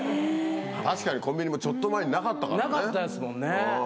確かにコンビニもちょっと前なかったですもんね。